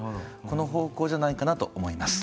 この方向じゃないかなと思います。